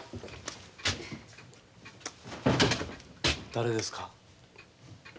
誰ですか？